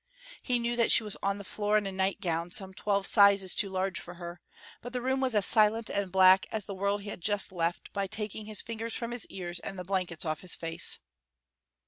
He knew that she was on the floor in a night gown some twelve sizes too large for her, but the room was as silent and black as the world he had just left by taking his fingers from his ears and the blankets off his face.